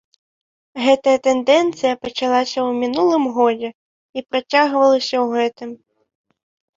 Гэтая тэндэнцыя пачалася ў мінулым годзе і працягвалася ў гэтым.